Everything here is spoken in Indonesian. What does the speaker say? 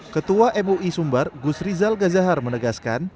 ketua mui sumbar gus rizal gazahar menegaskan